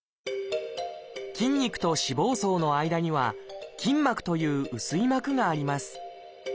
筋肉と脂肪層の間には「筋膜」という薄い膜があります。